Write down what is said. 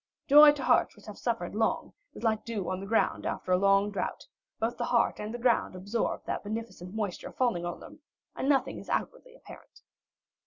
Joy to hearts which have suffered long is like the dew on the ground after a long drought; both the heart and the ground absorb that beneficent moisture falling on them, and nothing is outwardly apparent.